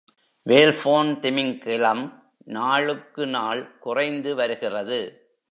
Whalebone திமிங்கிலம் நாளுக்கு நாள் குறைந்து வருகிறது.